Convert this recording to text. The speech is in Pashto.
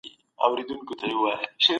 زموږ ښوونځی لوی دئ.